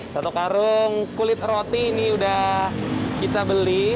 satu karung kulit roti ini sudah kita beli